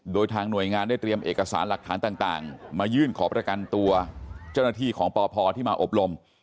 โดยทางหน่วยงานได้เตรียมเอกสารหลักฐานต่างมายื่นขอประกันตัวเจ้าหน้าที่ของปพที่มาอบรม